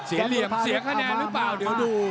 เหลี่ยมเสียคะแนนหรือเปล่าเดี๋ยวดู